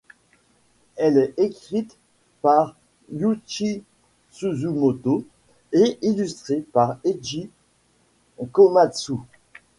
Elle est écrite par Yūichi Suzumoto et illustrée par Eeji Komatsu.